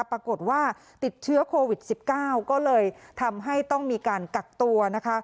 ปรากฏว่าติดเชื้อโควิด๑๙ก็เลยทำให้ต้องมีการกักตัวนะคะ